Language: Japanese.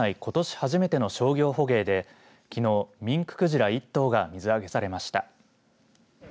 初めての商業捕鯨できのう、ミンククジラ一頭が水揚げされました。